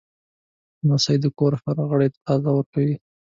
لمسی د کور هر غړي ته ناز ورکوي.